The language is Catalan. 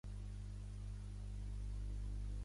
Anna Villar és una ciclista nascuda a Montcada i Reixac.